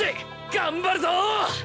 頑張るぞ！